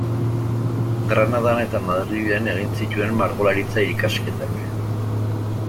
Granadan eta Madrilen egin zituen Margolaritza ikasketak.